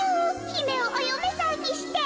ひめをおよめさんにして。